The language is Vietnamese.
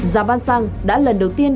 giá bán xăng đã lần đầu tiên